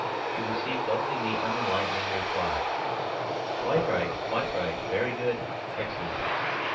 he received only the unenlightening reply, "Quite right; quite right. Very good. Excellent!"